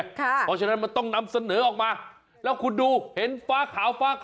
เพราะฉะนั้นมันต้องนำเสนอออกมาแล้วคุณดูเห็นฟ้าขาวฟ้า